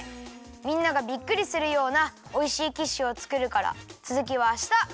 みんながびっくりするようなおいしいキッシュをつくるからつづきはあした！